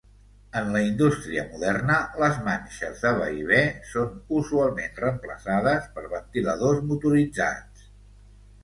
En la indústria moderna les manxes de vaivé són usualment reemplaçades per ventiladors motoritzats.